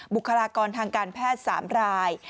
บุคลากรทางการแพทย์๓ราย